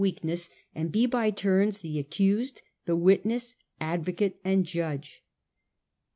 weakness, and be by turns the accused, the witness, advocate, and judge.